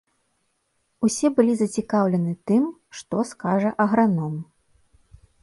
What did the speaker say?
Усе былі зацікаўлены тым, што скажа аграном.